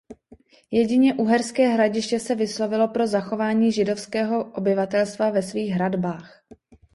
Jedině Uherské Hradiště se vyslovilo pro zachování židovského obyvatelstva ve svých hradbách.